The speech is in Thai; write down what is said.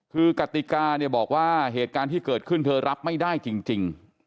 คือกติกาเนี่ยบอกว่าเหตุการณ์ที่เกิดขึ้นเธอรับไม่ได้จริง